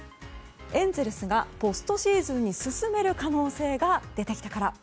エンゼルスがポストシーズンに進める可能性が出てきたから。